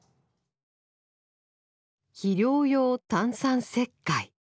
「肥料用炭酸石灰」。